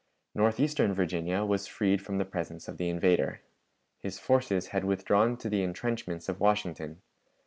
Northeastern Virginia was freed from the presence of the invader. His forces had withdrawn to the intrenchments of Washington.